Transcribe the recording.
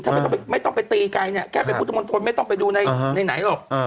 ถ้าไม่ต้องไปตีไกลเนี่ยแค่เป็นพุทธมนตรไม่ต้องไปดูในไหนหรอก